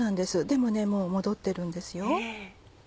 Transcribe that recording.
でももう戻ってるんですよ。